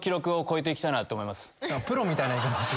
プロみたいな言い方。